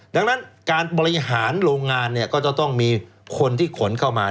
ดังนั้นการบริหารโรงงานเนี่ยก็จะต้องมีคนที่ขนเข้ามา